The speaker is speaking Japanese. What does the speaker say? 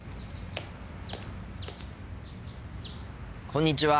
こんにちは。